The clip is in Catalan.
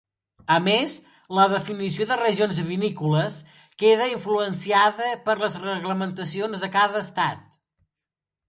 A més, la definició de regions vinícoles queda influenciada per les reglamentacions de cada estat.